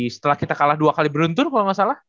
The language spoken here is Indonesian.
setelah kita kalah dua kali beruntun kalau nggak salah